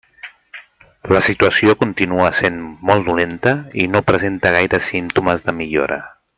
La situació continua essent molt dolenta i no presenta gaires símptomes de millora.